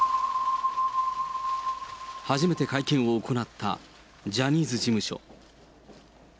初めて会見を行ったジャニーズ事務所。